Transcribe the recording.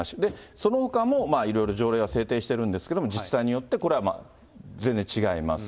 そのほかもいろいろ条例は制定しているんですけれども、自治体によってこれはまあ、全然違います。